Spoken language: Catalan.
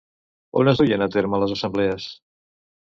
On es duien a terme les assemblees?